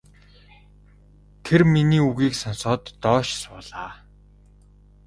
Тэр миний үгийг сонсоод доош суулаа.